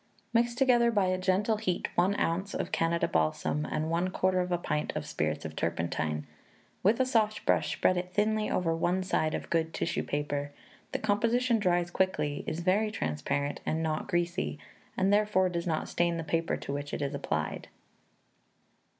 Mix together by a gentle heat, one ounce of Canada balsam, and a quarter of a pint of spirits of turpentine; with a soft brush spread it thinly over one side of good tissue paper. The composition dries quickly, is very transparent, and not greasy, and therefore, does not stain the paper to which it is applied.